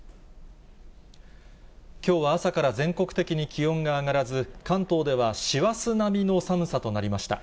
きょうは朝から全国的に気温が上がらず、関東では師走並みの寒さとなりました。